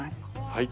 はい。